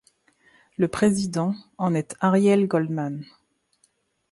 Le président en est Ariel Goldmann.